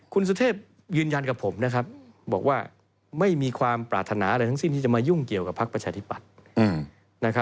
คุณสุเทพยืนยันกับผมนะครับบอกว่าไม่มีความปรารถนาอะไรทั้งสิ้นที่จะมายุ่งเกี่ยวกับพักประชาธิปัตย์